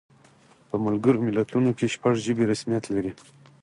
په ملګرو ملتونو کې شپږ ژبې رسمیت لري.